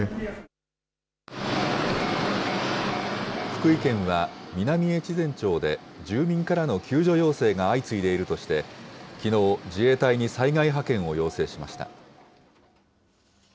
福井県は、南越前町で住民からの救助要請が相次いでいるとして、きのう、自衛隊に災害派遣を要請しました。